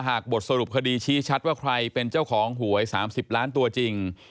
บทสรุปคดีชี้ชัดว่าใครเป็นเจ้าของหวย๓๐ล้านตัวจริง